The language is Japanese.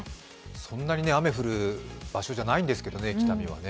そんなに雨が降る場所じゃないんですけどね、北見はね。